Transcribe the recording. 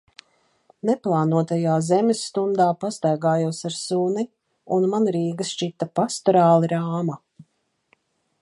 Neplānotajā Zemes stundā pastaigājos ar suni, un man Rīga šķita pastorāli rāma.